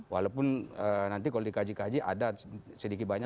walaupun nanti kalau dikaji kaji ada sedikit banyak